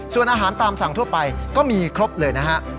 ส่วนอาหารตามสั่งทั่วไปก็มีครบเลยนะฮะ